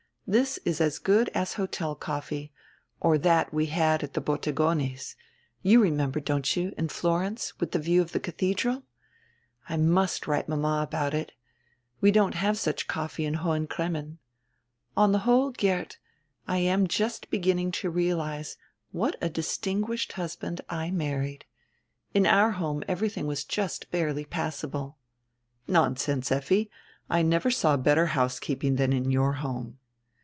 "This is as good as hotel coffee or diat we had at Bottegone's — you remember, don't you, in Florence, with the view of the cathedral? I must write mama about it. We don't have such coffee in Hohen Cremmen. On the whole, Geert, I am just begin ning to realize what a distinguished husband I married. In our home everything was just barely passable." "Nonsense, Effi. I never saw better house keeping than in your home."